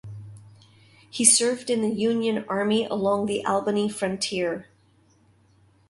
He served in the Union Army along the Albany frontier.